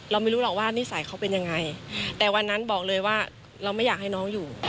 ไม่รู้หรอกว่านิสัยเขาเป็นยังไงแต่วันนั้นบอกเลยว่าเราไม่อยากให้น้องอยู่